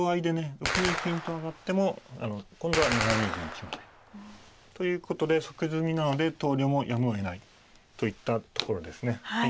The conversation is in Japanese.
６二金と上がっても今度は７二銀打ちまで。ということで即詰みなので投了もやむをえないといったところですね。